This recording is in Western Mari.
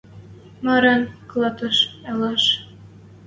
Марын клӓтӹш ӹлӓш?..»